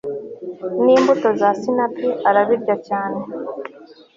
nimbuto za sinapi arabirya cyane